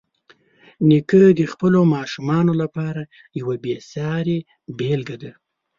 نیکه د خپلو ماشومانو لپاره یوه بېسارې بېلګه ده.